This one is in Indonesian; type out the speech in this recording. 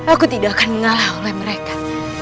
aku tidak akan mengalah oleh mereka